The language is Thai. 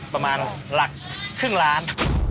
ประมาณหลักครึ่งล้าน